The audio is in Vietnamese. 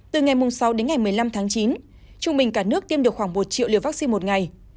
từ ngày sáu đến ngày một mươi năm tháng chín trung bình cả nước tiêm được khoảng một triệu liều vaccine một ngày